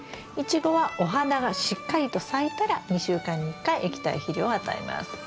イチゴはお花がしっかりと咲いたら２週間に１回液体肥料を与えます。